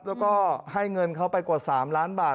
แล้วก็ให้เงินเขาไปกว่า๓ล้านบาท